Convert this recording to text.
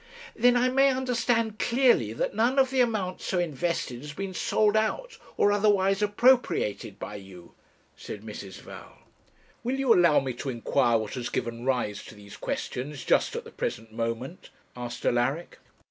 'Then I may understand clearly that none of the amount so invested has been sold out or otherwise appropriated by you.' said Mrs. Val. 'Will you allow me to inquire what has given rise to these questions just at the present moment?' asked Alaric.